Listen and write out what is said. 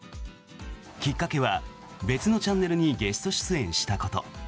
きっかけは、別のチャンネルにゲスト出演したこと。